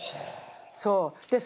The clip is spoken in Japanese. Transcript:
そう。